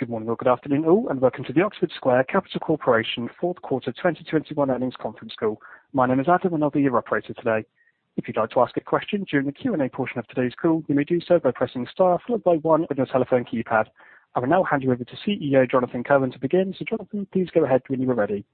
Good morning or good afternoon, all, and welcome to the Oxford Square Capital Corporation fourth quarter 2021 earnings conference call. My name is Adam, and I'll be your operator today. If you'd like to ask a question during the Q&A portion of today's call, you may do so by pressing star followed by one on your telephone keypad. I will now hand you over to CEO, Jonathan Cohen, to begin. Jonathan, please go ahead when you are ready.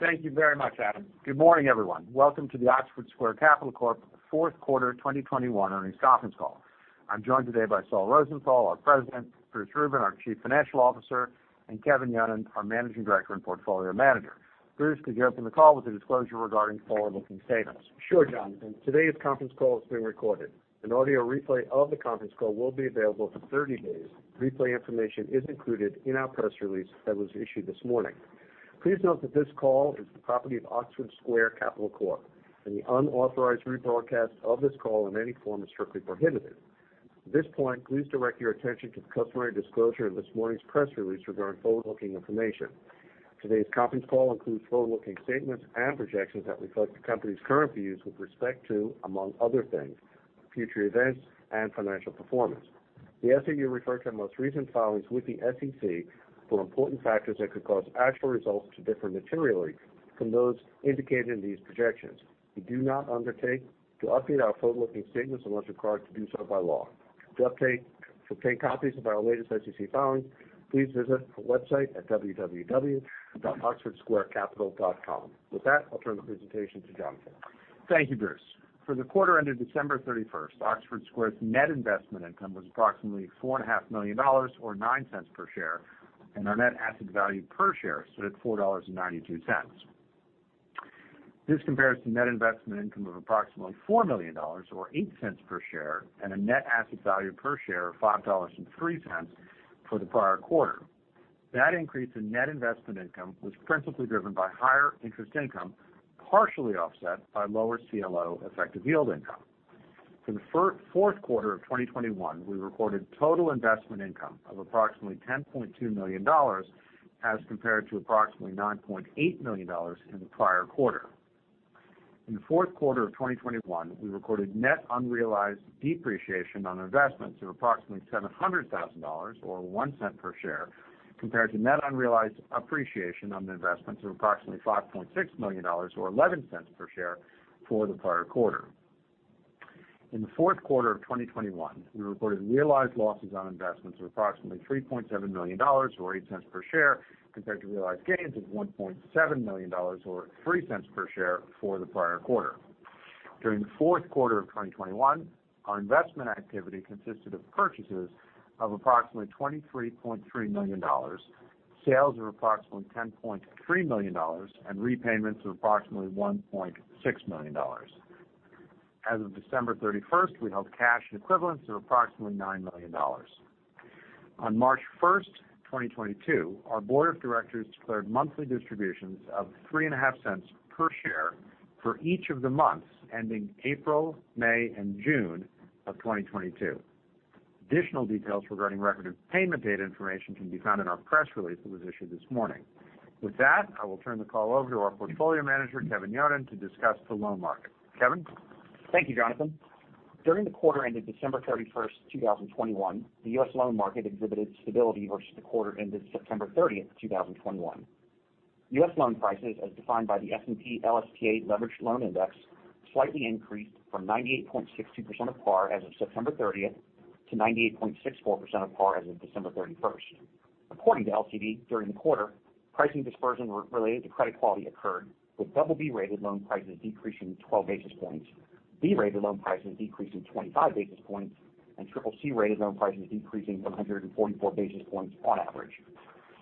Thank you very much, Adam. Good morning, everyone. Welcome to the Oxford Square Capital Corp fourth quarter 2021 earnings conference call. I'm joined today by Saul Rosenthal, our President, Bruce Rubin, our Chief Financial Officer, and Kevin Yonon, our Managing Director and Portfolio Manager. Bruce, could you open the call with a disclosure regarding forward-looking statements? Sure, Jonathan. Today's conference call is being recorded. An audio replay of the conference call will be available for 30 days. Replay information is included in our press release that was issued this morning. Please note that this call is the property of Oxford Square Capital Corp, and the unauthorized rebroadcast of this call in any form is strictly prohibited. At this point, please direct your attention to the customary disclosure in this morning's press release regarding forward-looking information. Today's conference call includes forward-looking statements and projections that reflect the company's current views with respect to, among other things, future events and financial performance. We ask that you refer to our most recent filings with the SEC for important factors that could cause actual results to differ materially from those indicated in these projections. We do not undertake to update our forward-looking statements unless required to do so by law. To obtain copies of our latest SEC filings, please visit our website at www.oxfordsquarecapital.com. With that, I'll turn the presentation to Jonathan. Thank you, Bruce. For the quarter ended December 31st, Oxford Square's net investment income was approximately $4.5 million or $0.09 per share, and our net asset value per share stood at $4.92. This compares to net investment income of approximately $4 million or $0.08 per share, and a net asset value per share of $5.03 for the prior quarter. That increase in net investment income was principally driven by higher interest income, partially offset by lower CLO effective yield income. For the fourth quarter of 2021, we recorded total investment income of approximately $10.2 million as compared to approximately $9.8 million in the prior quarter. In the fourth quarter of 2021, we recorded net unrealized depreciation on investments of approximately $700,000 or $0.01 per share, compared to net unrealized appreciation on the investments of approximately $5.6 million or $0.11 per share for the prior quarter. In the fourth quarter of 2021, we reported realized losses on investments of approximately $3.7 million or $0.08 per share, compared to realized gains of $1.7 million or $0.03 per share for the prior quarter. During the fourth quarter of 2021, our investment activity consisted of purchases of approximately $23.3 million, sales of approximately $10.3 million, and repayments of approximately $1.6 million. As of December 31st, we held cash equivalents of approximately $9 million. On March 1st, 2022, our board of directors declared monthly distributions of $0.035 Per share for each of the months ending April, May, and June of 2022. Additional details regarding record and payment date information can be found in our press release that was issued this morning. With that, I will turn the call over to our portfolio manager, Kevin Yonon, to discuss the loan market. Kevin? Thank you, Jonathan. During the quarter ended December 31st, 2021, the U.S. loan market exhibited stability versus the quarter ended September 30th, 2021. U.S. loan prices, as defined by the S&P/LSTA Leveraged Loan Index, slightly increased from 98.62% of par as of September 30th to 98.64% of par as of December 31st. According to LCD, during the quarter, pricing dispersion related to credit quality occurred, with BB-rated loan prices decreasing 12 basis points, B-rated loan prices decreasing 25 basis points, and CCC-rated loan prices decreasing 144 basis points on average.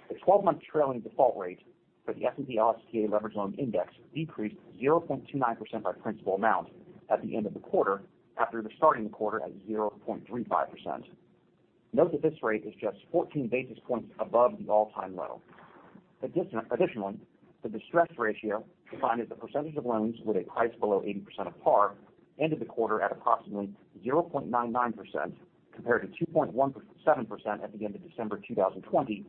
The 12-month trailing default rate for the S&P/LSTA Leveraged Loan Index decreased 0.29% by principal amount at the end of the quarter after starting the quarter at 0.35%. Note that this rate is just 14 basis points above the all-time low. Additionally, the distress ratio, defined as the percentage of loans with a price below 80% of par, ended the quarter at approximately 0.99% compared to 2.17% at the end of December 2020,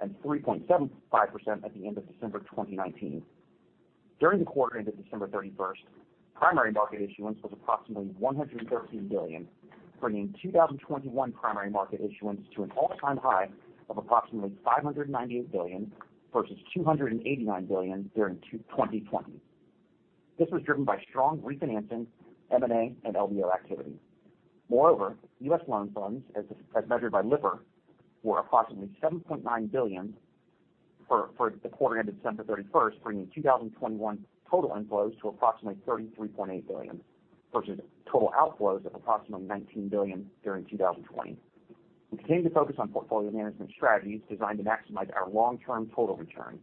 and 3.75% at the end of December 2019. During the quarter ended December 31st, primary market issuance was approximately $113 billion, bringing 2021 primary market issuance to an all-time high of approximately $598 billion versus $289 billion during 2020. This was driven by strong refinancing, M&A, and LBO activity. Moreover, U.S. loan funds, as measured by Lipper, were approximately $7.9 billion for the quarter ended December 31st, bringing 2021 total inflows to approximately $33.8 billion versus total outflows of approximately $19 billion during 2020. We continue to focus on portfolio management strategies designed to maximize our long-term total return.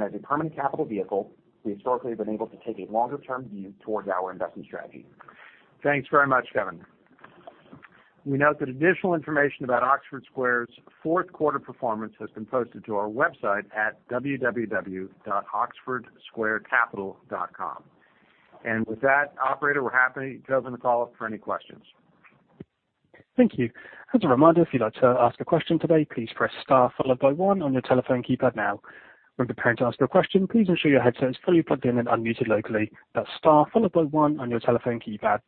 As a permanent capital vehicle, we historically have been able to take a longer-term view towards our investment strategy. Thanks very much, Kevin. We note that additional information about Oxford Square's fourth quarter performance has been posted to our website at www.oxfordsquarecapital.com. And with that, operator, we're happy to open the call up for any questions. Thank you. As a reminder, if you'd like to ask a question today, please press star followed by one on your telephone keypad now. When preparing to ask your question, please ensure your headset is fully plugged in and unmuted locally. That's star followed by one on your telephone keypad.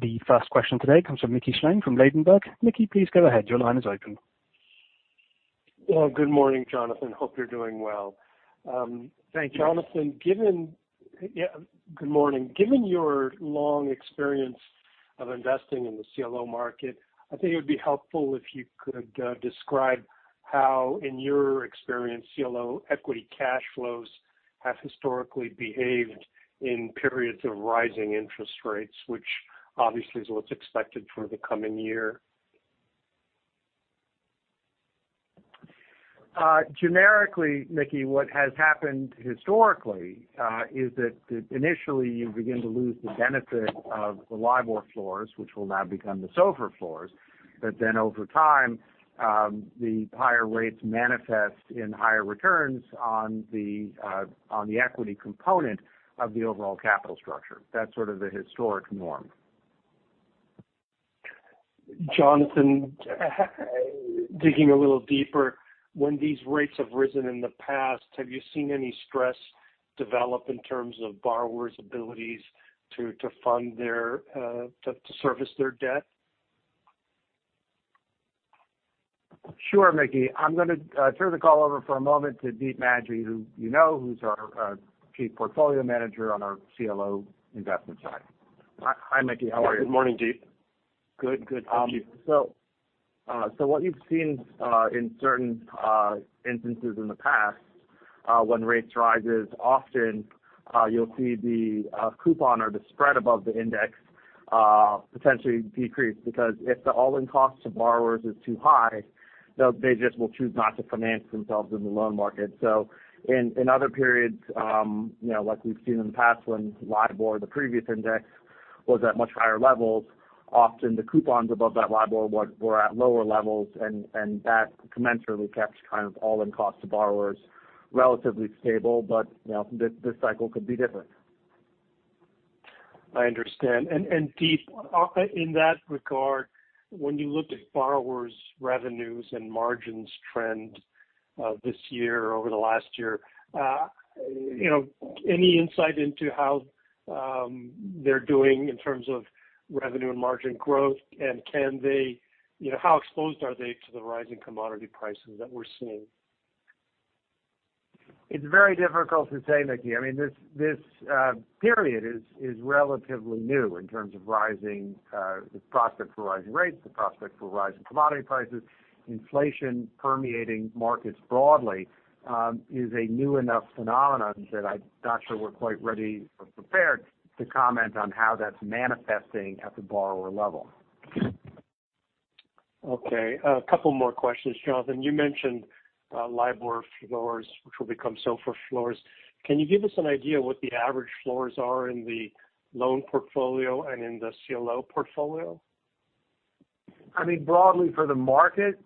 The first question today comes from Mickey Schleien from Ladenburg. Mickey, please go ahead. Your line is open. Well, good morning, Jonathan. Hope you're doing well. Thank you. Jonathan. Yeah. Good morning. Given your long experience of investing in the CLO market, I think it would be helpful if you could describe how, in your experience, CLO equity cash flows have historically behaved in periods of rising interest rates, which obviously is what's expected for the coming year. Generically, Mickey, what has happened historically is that initially you begin to lose the benefit of the LIBOR floors, which will now become the SOFR floors. Over time, the higher rates manifest in higher returns on the equity component of the overall capital structure. That's sort of the historic norm. Jonathan, digging a little deeper. When these rates have risen in the past, have you seen any stress develop in terms of borrowers' abilities to service their debt? Sure, Mickey. I'm gonna turn the call over for a moment to Deep Maji, who you know, who's our chief portfolio manager on our CLO investment side. Hi, Mickey. How are you? Good morning, Deep. Good. Good. Thank you. What you've seen in certain instances in the past when rates rises, often you'll see the coupon or the spread above the index potentially decrease, because if the all-in cost to borrowers is too high, they just will choose not to finance themselves in the loan market. In other periods, you know, like we've seen in the past when LIBOR, the previous index, was at much higher levels, often the coupons above that LIBOR were at lower levels and that commensurately kept kind of all-in cost to borrowers relatively stable. You know, this cycle could be different. I understand. And Deep, in that regard, when you look at borrowers' revenues and margins trend, this year or over the last year, you know, any insight into how they're doing in terms of revenue and margin growth? And can be, you know, how exposed are they to the rising commodity prices that we're seeing? It's very difficult to say, Mickey. I mean, this period is relatively new in terms of rising the prospect for rising rates, the prospect for rising commodity prices. Inflation permeating markets broadly is a new enough phenomenon that I'm not sure we're quite ready or prepared to comment on how that's manifesting at the borrower level. Okay. A couple more questions. Jonathan, you mentioned LIBOR floors, which will become SOFR floors. Can you give us an idea what the average floors are in the loan portfolio and in the CLO portfolio? I mean, broadly for the market,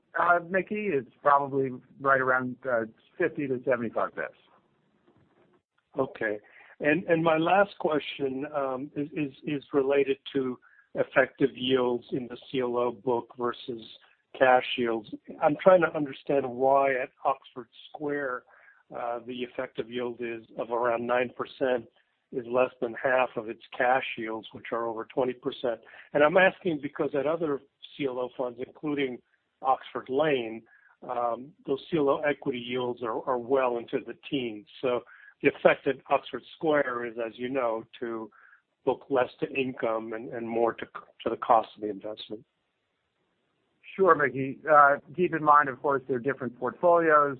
Mickey, it's probably right around 50-75 bips. Okay. My last question is related to effective yields in the CLO book versus cash yields. I'm trying to understand why at Oxford Square, the effective yield is of around 9% is less than half of its cash yields, which are over 20%. I'm asking because at other CLO funds, including Oxford Lane, those CLO equity yields are well into the teens. The effect at Oxford Square is, as you know, to look less to income and more to the cost of the investment. Sure, Mickey. Keep in mind, of course, there are different portfolios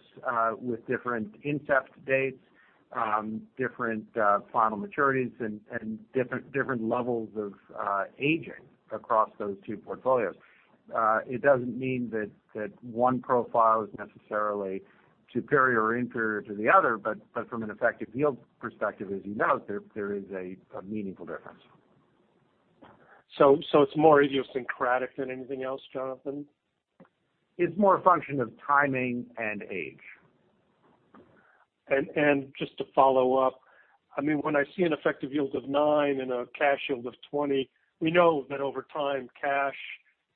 with different incept dates, different final maturities and different levels of aging across those two portfolios. It doesn't mean that one profile is necessarily superior or inferior to the other, but from an effective yield perspective, as you note, there is a meaningful difference. So it's more idiosyncratic than anything else, Jonathan? It's more a function of timing and age. Just to follow up, I mean, when I see an effective yield of 9% and a cash yield of 20%, we know that over time, cash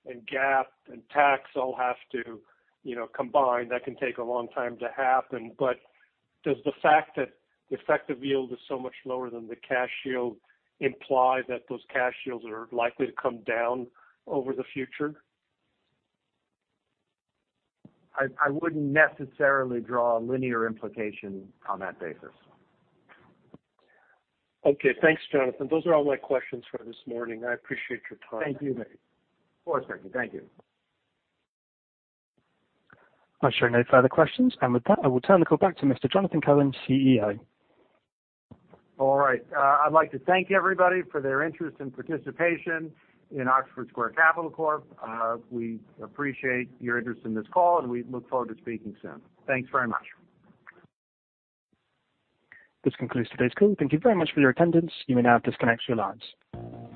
and GAAP and tax all have to, you know, combine. That can take a long time to happen. Does the fact that the effective yield is so much lower than the cash yield implied that those cash yields are likely to come down over the future? I wouldn't necessarily draw a linear implication on that basis. Okay. Thanks, Jonathan. Those are all my questions for this morning. I appreciate your time. Thank you, Mickey. Of course, Mickey. Thank you. I'm showing no further questions. With that, I will turn the call back to Mr. Jonathan Cohen, CEO. All right. I'd like to thank everybody for their interest and participation in Oxford Square Capital Corp. We appreciate your interest in this call, and we look forward to speaking soon. Thanks very much. This concludes today's call. Thank you very much for your attendance. You may now disconnect your lines.